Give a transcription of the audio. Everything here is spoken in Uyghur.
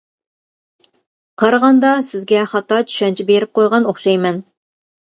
قارىغاندا سىزگە خاتا چۈشەنچە بېرىپ قويغان ئوخشايمەن.